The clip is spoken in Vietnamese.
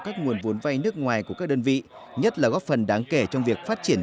các nguồn vốn vay nước ngoài của các đơn vị nhất là góp phần đáng kể trong việc phát triển